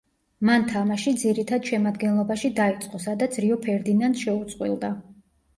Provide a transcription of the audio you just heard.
მან თამაში ძირითად შემადგენლობაში დაიწყო, სადაც რიო ფერდინანდს შეუწყვილდა.